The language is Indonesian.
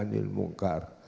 dan nahi anil munkar